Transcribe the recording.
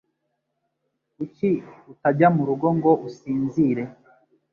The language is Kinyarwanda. Kuki utajya murugo ngo usinzire?